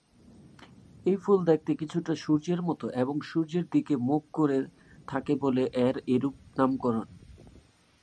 এই ফুল দেখতে কিছুটা সূর্যের মত এবং সূর্যের দিকে মুখ করে থাকে বলে এর এরূপ নামকরণ।